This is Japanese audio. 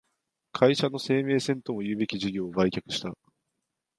会社の生命線ともいうべき事業を売却した